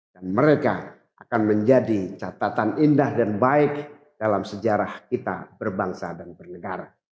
dan mereka akan menjadi catatan indah dan baik dalam sejarah kita berbangsa dan bernegara